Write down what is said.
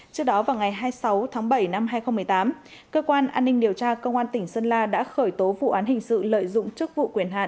trước đó vào ngày hai mươi sáu tháng bảy năm hai nghìn một mươi tám cơ quan an ninh điều tra công an tỉnh sơn la đã khởi tố vụ án hình sự lợi dụng chức vụ quyền hạn